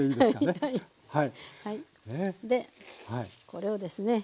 これをですね